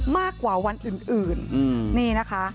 มากกว่าวันอื่น